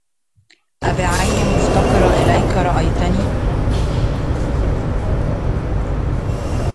أبعين مفتقر إليك رايتني